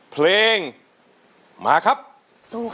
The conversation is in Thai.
เพลงมาครับสู้ค่ะ